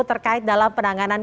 terkait dalam penanganan